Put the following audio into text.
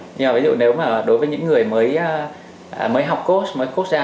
nhưng mà ví dụ nếu mà đối với những người mới học coach mới coach ra